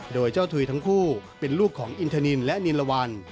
โดยเจ้าถุยทั้งคู่เป็นลูกของอินทนินและนิลวัน